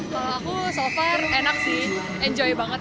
kalau aku so far enak sih enjoy banget